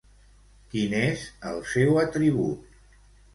Quin és el seu atribut?